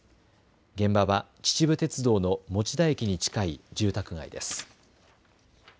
現場は秩父鉄道の持田駅に近い住宅街です。